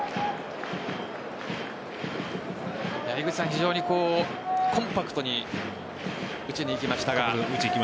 非常にコンパクトに打ちにいきましたが。